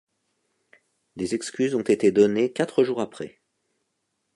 Des excuses ont été données quatre jours après.